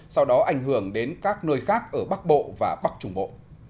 sau đó ảnh hưởng đến các nơi khác ở bắc bộ và bắc trung bộ